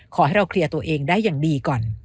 ขอให้เราเคลียร์ตัวเองได้อย่างดีก่อน